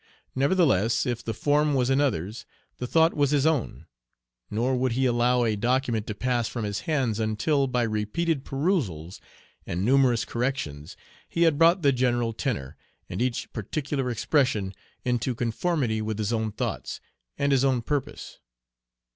Nevertheless, if the form was another's, the thought was his own; nor would he allow a document to pass from his hands, until, by repeated perusals, and numerous corrections, he had brought the general tenor, and each particular expression, into conformity with his own thoughts and his own purpose.